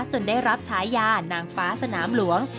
ได้รับฉายานางฟ้าสนามหลวง